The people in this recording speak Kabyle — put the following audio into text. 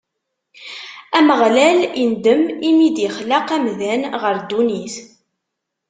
Ameɣlal indem imi i d-ixleq amdan ɣer ddunit.